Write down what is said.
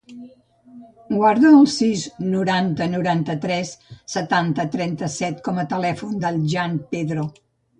Guarda el sis, noranta, noranta-tres, setanta, trenta-set com a telèfon del Jan Pedro.